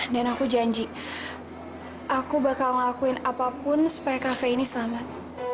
dan aku janji aku bakal ngelakuin apapun supaya kafe ini selamat